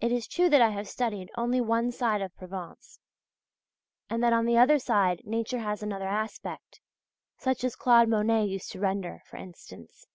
It is true that I have studied only one side of Provence, and that on the other side nature has another aspect, such as Claude Monet used to render, for instance.